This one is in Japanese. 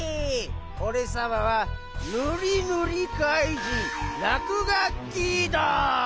おれさまはぬりぬりかいじんラクガッキーだ！